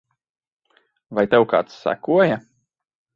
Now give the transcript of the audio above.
Vai tev kāds sekoja?